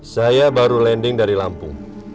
saya baru landing dari lampung